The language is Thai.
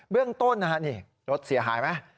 เรื่องต้นนะฮะนี่รถเสียหายไหม